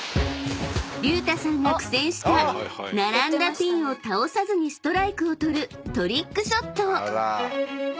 ［隆太さんが苦戦した並んだピンを倒さずにストライクを取るトリックショット］